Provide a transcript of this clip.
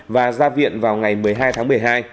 và ra viện vào ngày một mươi hai tháng một mươi hai